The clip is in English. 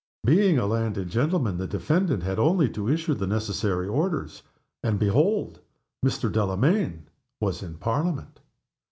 Being a landed gentleman, the defendant had only to issue the necessary orders and behold, Mr. Delamayn was in Parliament!